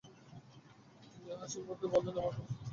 মিয়া হাসিমুখে বললেন, আপনার কথা সত্যি।